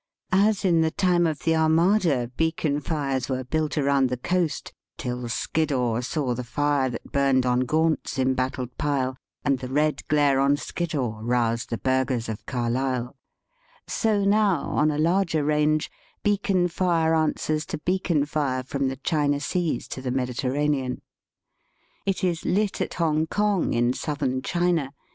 As in the time of the Armada beacon fires were built around the coast —^* Till Skiddaw saw the fire that burned on Gaimt's em battled pile, And the red glare on Skiddaw roused the burghers of CarHsle," so now, on a larger range, beacon fire answers to beacon fire from the China Seas to the Mediterranean. It is lit at Hongkong, in Southern China.